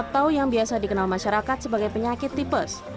salmonella tipe adalah bakteri yang berasal dari fesis reptil